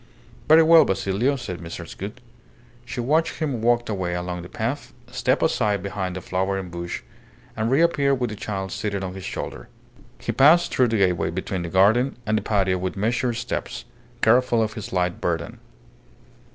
"Very well, Basilio," said Mrs. Gould. She watched him walk away along the path, step aside behind the flowering bush, and reappear with the child seated on his shoulder. He passed through the gateway between the garden and the patio with measured steps, careful of his light burden.